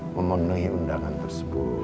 memenuhi undangan tersebut